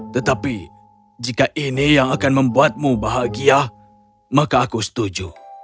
tetapi jika ini yang akan membuatmu bahagia maka aku setuju